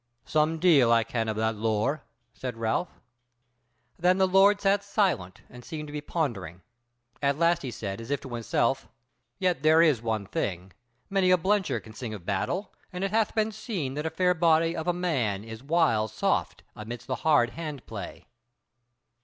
"Some deal I can of that lore," said Ralph. Then the Lord sat silent, and seemed to be pondering: at last he said, as if to himself: "Yet there is one thing: many a blencher can sing of battle; and it hath been seen, that a fair body of a man is whiles soft amidst the hard hand play.